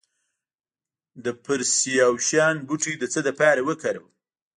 د پرسیاوشان بوټی د څه لپاره وکاروم؟